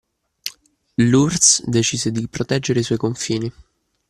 L'URSS decise di proteggere i suoi confini.